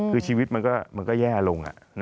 คือชีวิตมันก็แย่ลง